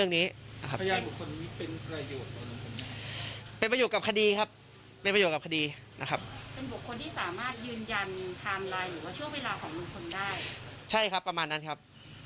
จะเป็นจุดสำคัญที่จะพิจารณ์คดีนี้เลยไหมคะทนายครับ